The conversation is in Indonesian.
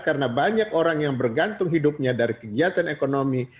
karena banyak orang yang bergantung hidupnya dari kegiatan ekonomi